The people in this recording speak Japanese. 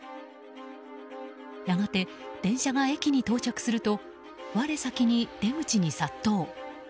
やがて、電車が駅に到着すると我先に出口に殺到。